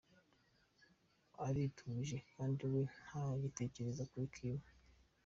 Ariturije kandi we ntagitekereza kuri Kim.